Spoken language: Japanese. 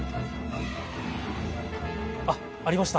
あっありました！